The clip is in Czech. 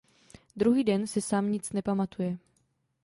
Druhý den si Sam nic nepamatuje.